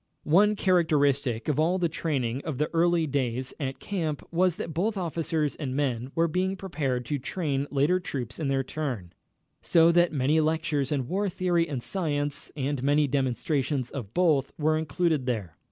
One characteristic of all the training of the early days at camp was that both officers and men were being prepared to train later troops in their turn, so that many lectures in war theory and science, and many demonstrations of both, were included there.